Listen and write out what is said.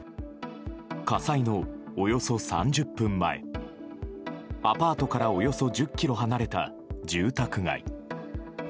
火災のおよそ３０分前アパートからおよそ１０ｋｍ離れた住宅街。